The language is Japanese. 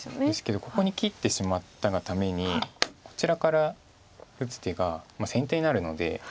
ですけどここに切ってしまったがためにこちらから打つ手が先手になるので。